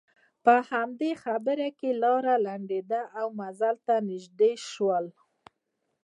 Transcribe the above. په همدې خبرو کې لاره لنډېده او منزل ته نژدې شول.